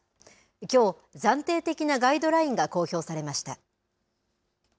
きょう、暫定的なガイドラインが公表されました。